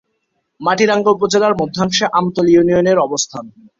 মাটিরাঙ্গা উপজেলার মধ্যাংশে আমতলী ইউনিয়নের অবস্থান।